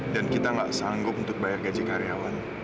dan kita gak sanggup untuk bayar gaji karyawan